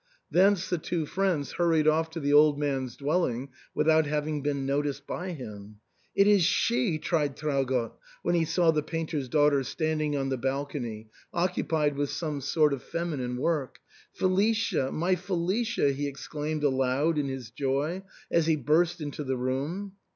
Thence the two friends hurried off to the old man's dwelling, without having been noticed by him. " It is she," cried Traugott, when he saw the painter's daughter standing on the balcony, occupied with some sort of feminine work. " Felicia, my Felicia !" he ex claimed aloud in his joy, as he burst into the room.